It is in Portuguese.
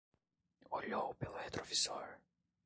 Olhou pelo retrovisor